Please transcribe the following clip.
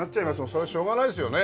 そりゃしょうがないですよね。